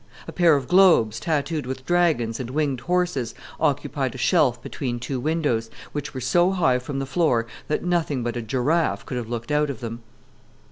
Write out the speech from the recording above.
A pair of globes, tattooed with dragons and winged horses, occupied a shelf between two windows, which were so high from the floor that nothing but a giraffe could have looked out of them.